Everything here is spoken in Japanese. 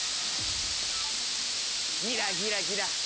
ギラギラギラ。